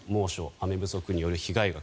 雨不足による被害額